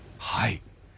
はい。